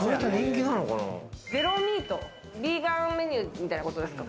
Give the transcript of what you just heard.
ゼロミート、ビーガンメニューみたいなことですか？